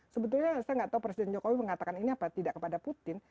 sebetulnya saya nggak tahu presiden jokowi mengatakan ini apa tidak kepada putin